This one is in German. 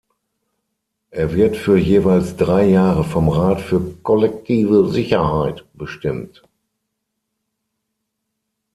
Er wird für jeweils drei Jahre vom Rat für kollektive Sicherheit bestimmt.